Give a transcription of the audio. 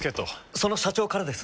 その社長からです。